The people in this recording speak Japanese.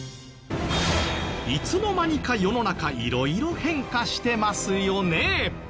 いつの間にか世の中色々変化してますよね。